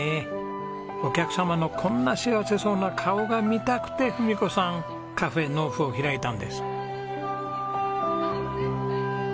お客様のこんな幸せそうな顔が見たくて郁子さんｃａｆｅｎｆｕを開いたんです。